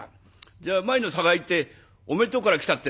「じゃあ前の酒屋行っておめえとこから来たって。